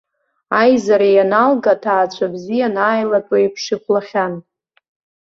Аизара ианалга, аҭаацәа бзиа анааилатәо еиԥш ихәлахьан.